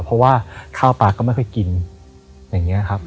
เพราะว่าข้าวปลาก็ไม่ค่อยกินอย่างนี้ครับ